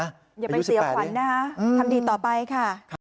อย่าไปเสียขวัญนะคะทำดีต่อไปค่ะ